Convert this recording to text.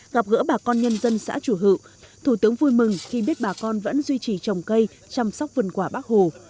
gặp gỡ bà con nhân dân xã chủ hự thủ tướng vui mừng khi biết bà con vẫn duy trì trồng cây chăm sóc vườn quả bắc hồ